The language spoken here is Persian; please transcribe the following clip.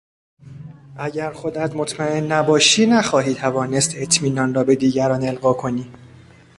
اگر خودت مطمئن نباشی نخواهی توانست اطمینان را به دیگران القا کنی.